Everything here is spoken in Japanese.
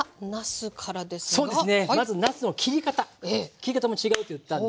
切り方も違うって言ったんで。